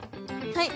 はい！